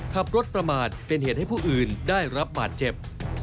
ขับรถประมาทเป็นเหตุให้ผู้อื่นได้รับบาดเจ็บ